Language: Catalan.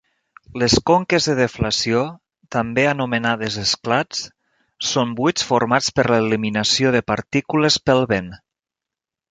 Les conques de deflació, també anomenades esclats, són buits formats per l'eliminació de partícules pel vent.